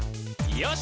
よし！